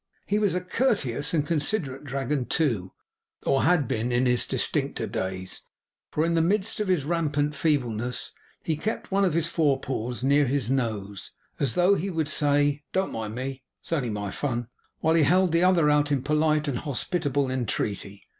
He was a courteous and considerate dragon, too; or had been in his distincter days; for in the midst of his rampant feebleness, he kept one of his forepaws near his nose, as though he would say, 'Don't mind me it's only my fun;' while he held out the other in polite and hospitable entreaty.